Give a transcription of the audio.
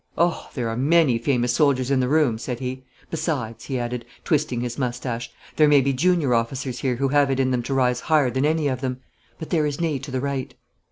'Oh, there are many famous soldiers in the room,' said he. 'Besides,' he added, twisting his moustache, 'there may be junior officers here who have it in them to rise higher than any of them. But there is Ney to the right.'